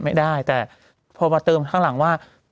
ไม่ได้แต่พอมาเติมข้างหลังว่า